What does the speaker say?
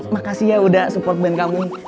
makasih ya udah support band kamu